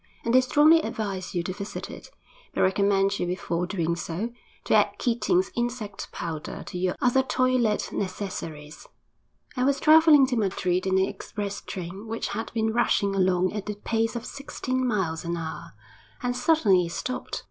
And they strongly advise you to visit it, but recommend you before doing so to add Keating's insect powder to your other toilet necessaries. I was travelling to Madrid in an express train which had been rushing along at the pace of sixteen miles an hour, when suddenly it stopped.